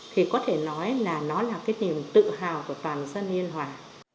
thì có thể nói là nó là cái niềm tự hào của toàn dân yên hòa